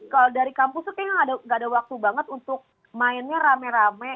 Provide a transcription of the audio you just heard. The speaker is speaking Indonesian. kalau dari kampus tuh kayaknya gak ada waktu banget untuk mainnya rame rame